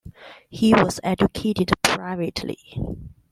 He was educated privately.